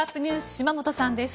島本さんです。